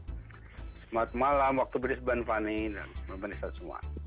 selamat malam waktu berisban funny dan berbunyi semua